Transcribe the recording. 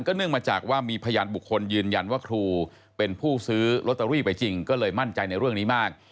เนื่องมาจากว่ามีพยานบุคคลยืนยันว่าครูเป็นผู้ซื้อลอตเตอรี่ไปจริงก็เลยมั่นใจในเรื่องนี้มาก